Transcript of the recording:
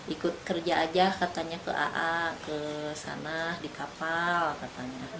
ikut kerja aja katanya ke aa ke sana di kapal katanya